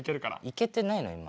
いけてないの今。